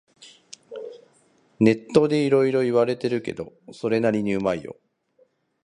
ネットでいろいろ言われてるけど、それなりにうまいよ